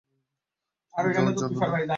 চলে যাওয়ার জন্য - না।